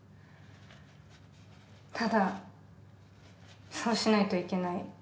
ただそうしないといけない。